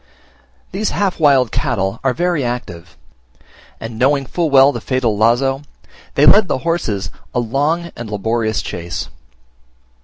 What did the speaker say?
These half wild cattle are very active; and knowing full well the fatal lazo, they led the horses a long and laborious chase.